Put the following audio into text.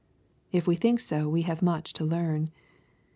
— If we think so we have much to learn.